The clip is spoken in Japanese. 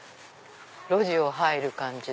路地を入る感じで。